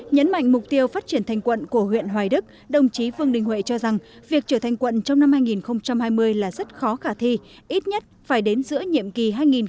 nhấn mạnh mục tiêu phát triển thành quận của huyện hoài đức đồng chí vương đình huệ cho rằng việc trở thành quận trong năm hai nghìn hai mươi là rất khó khả thi ít nhất phải đến giữa nhiệm kỳ hai nghìn hai mươi hai nghìn hai mươi năm